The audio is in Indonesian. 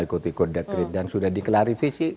ikut ikut dekret dan sudah diklarifikasi